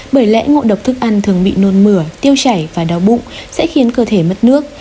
bởi lẽ ngộ độc thức ăn thường bị nôn mửa tiêu chảy và đau bụng sẽ khiến cơ thể mất nước